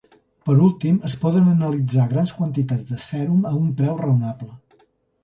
Per últim es poden analitzar grans quantitats de sèrum a un preu raonable.